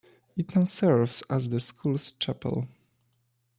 It now serves as the school's chapel.